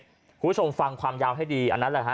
คุณผู้ชมฟังความยาวให้ดีอันนั้นแหละฮะ